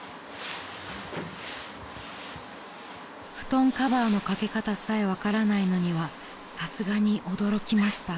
［布団カバーの掛け方さえ分からないのにはさすがに驚きました］